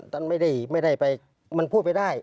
ท่านไม่ได้ไปมันพูดไม่ได้